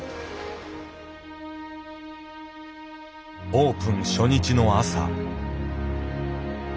オープン初日の朝。